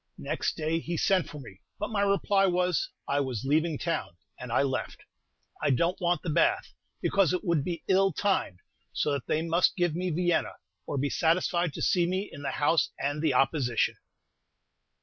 Next day he sent for me, but my reply was, "I was leaving town;" and I left. I don't want the Bath, because it would be "ill timed;" so that they must give me Vienna, or be satisfied to see me in the House and the Opposition!